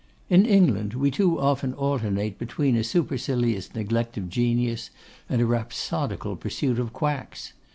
In England, we too often alternate between a supercilious neglect of genius and a rhapsodical pursuit of quacks.